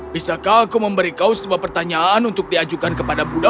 bisakah aku memberi kau sebuah pertanyaan untuk diajukan kepada buddha